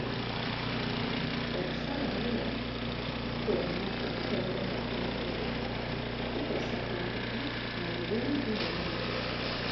Okusalawo kwonna okukolebwa abakulembeze kukosa abantu mu bulungi ne mu bubi.